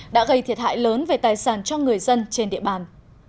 đã gây thiệt hại lớn về tài sản cho người dân trên địa bàn